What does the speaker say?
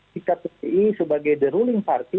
sikap psi sebagai the ruling party